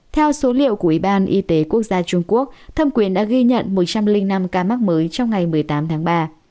theo số liệu của ủy ban y tế quốc gia trung quốc thâm quyền đã ghi nhận một trăm linh năm ca mắc mới trong ngày một mươi tám tháng ba